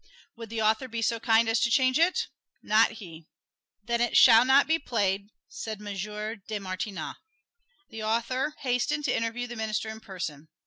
Would the author be so kind as to change it? Not he. "Then it shall not be played," said M. de Martignac. The author hastened to interview the minister in person.